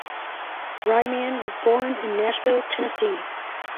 Ryman was born in Nashville, Tennessee.